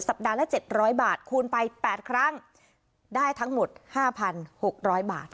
ปัดละ๗๐๐บาทคูณไป๘ครั้งได้ทั้งหมด๕๖๐๐บาท